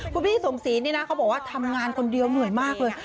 คุณพี่สมศรีนี่นะเขาบอกว่าทำงานคนเดียวเหนื่อยมากเลย